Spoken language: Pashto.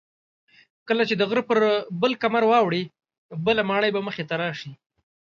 کله چې د غره پر بل کمر واوړې بله ماڼۍ به مخې ته راشي.